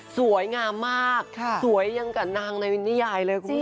สวยงามมากสวยอย่างกับนางในวินนิยายเลยคุณผู้ชม